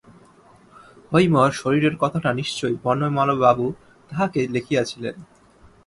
হৈমর শরীরের কথাটা নিশ্চয় বনমালীবাবু তাঁহাকে লিখিয়াছিলেন।